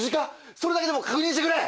それだけでも確認してくれ！